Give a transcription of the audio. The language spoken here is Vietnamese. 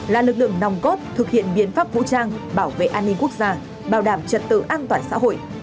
là lực lượng nòng cốt thực hiện biện pháp vũ trang bảo vệ an ninh quốc gia bảo đảm trật tự an toàn xã hội